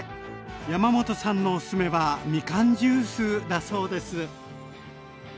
山本さんのおすすめはみかんジュースだそうです。